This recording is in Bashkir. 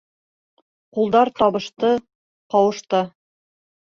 Ҡулдар табышты, ҡауышты.